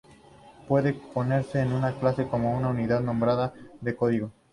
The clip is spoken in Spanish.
Puede pensarse en una clase como en una unidad nombrada de código.